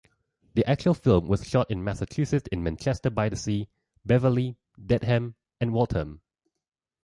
The actual film was shot in Massachusetts in Manchester-by-the-Sea, Beverly, Dedham and Waltham.